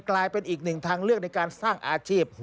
กลายเป็นอีกหนึ่งทางเลือกในการสร้างอาชีพ